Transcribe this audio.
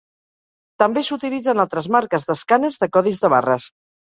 També s'utilitzen altres marques d'escàners de codis de barres.